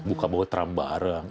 buka bawa tram bareng